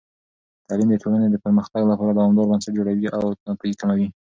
تعلیم د ټولنې د پرمختګ لپاره دوامدار بنسټ جوړوي او ناپوهي کموي.